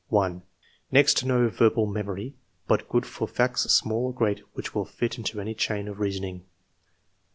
1. Next to no verbal memory, but good for facts small or great which will fit into any chain of reasoning."